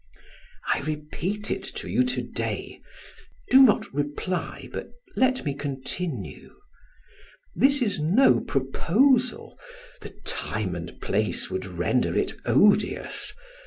"I repeat it to you to day. Do not reply, but let me continue. This is no proposal the time and place would render it odious.